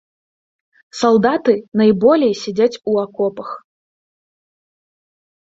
Салдаты найболей сядзяць у акопах.